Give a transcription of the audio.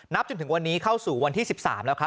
จนถึงวันนี้เข้าสู่วันที่๑๓แล้วครับ